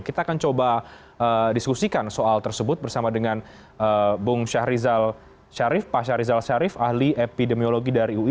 kita akan coba diskusikan soal tersebut bersama dengan bung syahrizal syarif pak syarizal syarif ahli epidemiologi dari ui